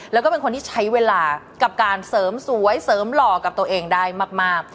แล้วก็เป็นคนที่ใช้เวลากับการเสริมสวยเสริมหล่อกับตัวเองได้มาก